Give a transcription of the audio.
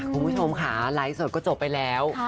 คุณผู้ชมค่ะไลฟ์สดก็จบไปแล้ว